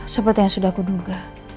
seperti yang sudah aku duga